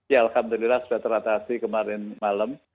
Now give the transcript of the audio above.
ya alhamdulillah sudah teratasi kemarin malam